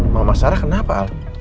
mama sarah kenapa al